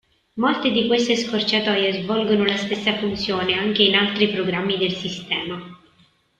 Molte di queste scorciatoie svolgono la stessa funzione anche in altri programmi del sistema.